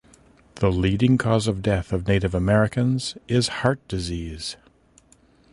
The leading cause of death of Native Americans is heart disease.